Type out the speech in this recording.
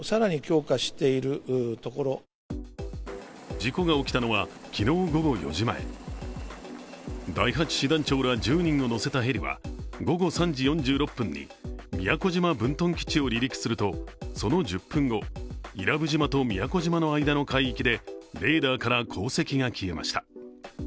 事故が起きたのは昨日午後４時前第８師団長ら１０人を乗せたヘリは、午後３時４６分に宮古島分屯基地を離陸すると、その１０分後、伊良部島と宮古島の間の海域でレーダーから航跡が消えました。